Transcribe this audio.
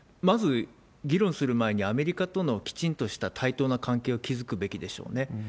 まず、議論する前に、アメリカとのきちんとした対等な関係を築くべきでしょうね。